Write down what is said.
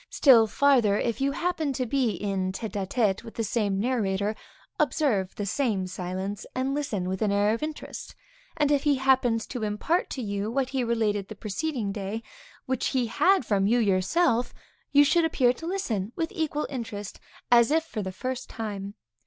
Still farther; if you happen to be in tête à tête with the same narrator, observe the same silence, and listen with an air of interest, and if he happens to impart to you what he related the preceding day, which he had from you yourself, you should appear to listen with equal interest, as if for the first time.